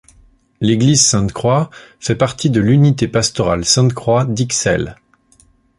L'église Sainte-Croix fait partie de l’Unité pastorale Sainte-Croix d’Ixelles.